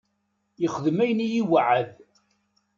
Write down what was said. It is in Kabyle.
Yexdem ayen i iweɛɛed.